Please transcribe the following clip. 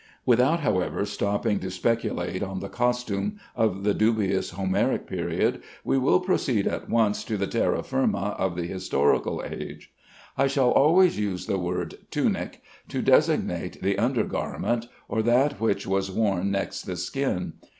Without, however, stopping to speculate on the costume of the dubious Homeric period, we will proceed at once to the terra firma of the historical age. I shall always use the word "tunic" to designate the under garment, or that which was worn next the skin.